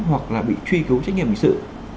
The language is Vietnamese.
hoặc là bị truy cứu trách nhiệm hình sự